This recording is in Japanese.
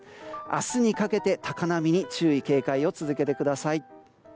明日にかけて高波に注意・警戒を続けてください。